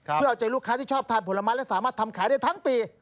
เพื่อเอาใจลูกค้าที่ชอบทานผลไม้และสามารถทำขายได้ทั้งปี